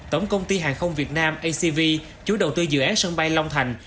tổng công ty hàng không việt nam acv chủ đầu tư dự án sân bay long thành